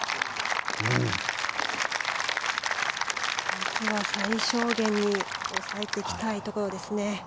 まずは最小限に抑えていきたいところですね。